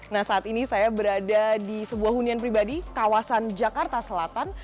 nah saat ini saya berada di sebuah hunian pribadi kawasan jakarta selatan